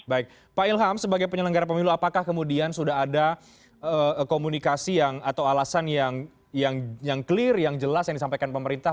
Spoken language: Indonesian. baik pak ilham sebagai penyelenggara pemilu apakah kemudian sudah ada komunikasi atau alasan yang clear yang jelas yang disampaikan pemerintah